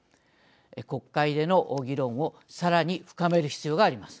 国会での議論をさらに深める必要があります。